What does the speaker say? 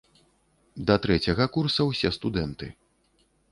Да трэцяга курса ўсе студэнты.